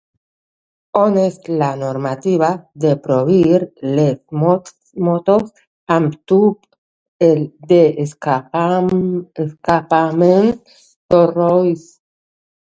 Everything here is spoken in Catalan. On és la normativa de prohibir les motos amb tub de escapament sorollós?